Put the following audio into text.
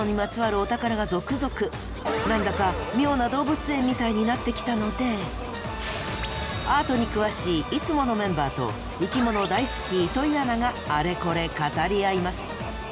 何だか妙な動物園みたいになってきたのでアートに詳しいいつものメンバーと生きもの大好き糸井アナがあれこれ語り合います。